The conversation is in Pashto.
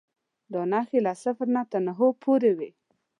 دا نښې له صفر تر نهو پورې وې.